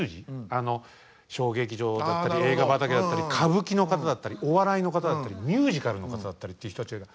あの小劇場だったり映画畑だったり歌舞伎の方だったりお笑いの方だったりミュージカルの方だったりっていう人たちが。